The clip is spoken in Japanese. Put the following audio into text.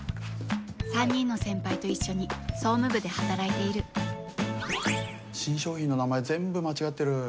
３人の先輩と一緒に総務部で働いている新商品の名前全部間違ってる。